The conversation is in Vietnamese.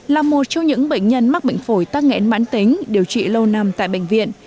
là một trong những bệnh nhân mắc bệnh phổi tắc nghẽn mãn tính điều trị lâu năm tại bệnh viện